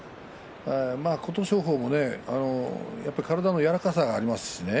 琴勝峰も、やっぱり体の柔らかさがありますしね。